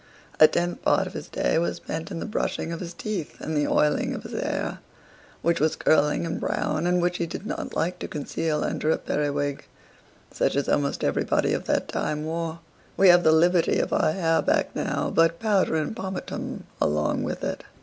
A tenth part of his day was spent in the brushing of his teeth and the oiling of his hair, which was curling and brown, and which he did not like to conceal under a periwig, such as almost everybody of that time wore. (We have the liberty of our hair back now, but powder and pomatum along with it.